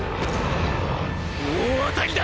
大当たりだ！！